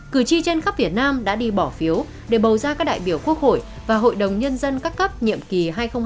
cử tri trên khắp việt nam đã đi bỏ phiếu để bầu ra các đại biểu quốc hội và hội đồng nhân dân các cấp nhiệm kỳ hai nghìn hai mươi một hai nghìn hai mươi một